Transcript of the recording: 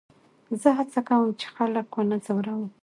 زه هڅه کوم، چي خلک و نه ځوروم.